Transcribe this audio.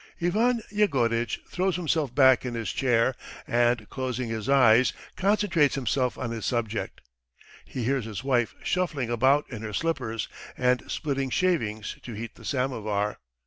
Ivan Yegoritch throws himself back in his chair, and closing his eyes concentrates himself on his subject. He hears his wife shuffling about in her slippers and splitting shavings to heat the samovar.